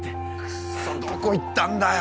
クッソどこ行ったんだよ。